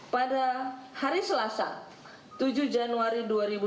pada hari selasa tujuh januari dua ribu dua puluh